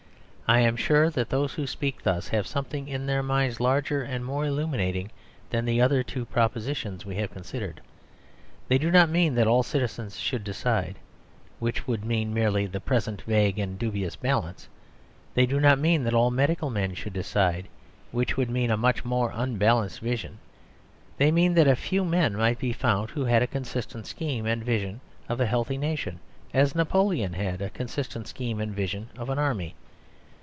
I am sure that those who speak thus have something in their minds larger and more illuminating than the other two propositions we have considered. They do not mean that all citizens should decide, which would mean merely the present vague and dubious balance. They do not mean that all medical men should decide, which would mean a much more unbalanced balance. They mean that a few men might be found who had a consistent scheme and vision of a healthy nation, as Napoleon had a consistent scheme and vision of an army.